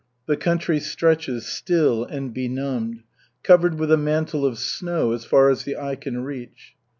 The country stretches still and benumbed, covered with a mantle of snow as far as the eye can reach.